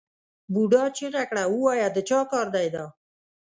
بوډا چیغه کړه ووایه د چا کار دی دا؟